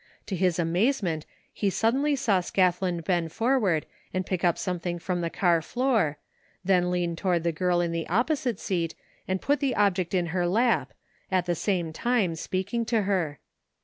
To his amazement he suddenly saw Scathlin bend forward and pick up something from the car floor, then lean toward the girl in the opposite seat and put the object in her lap, at the same time speaking to her.